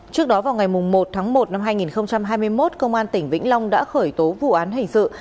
trước đó vào ngày một tháng một năm hai nghìn hai mươi một công an tỉnh vĩnh long đã khởi tố vụ án hình sự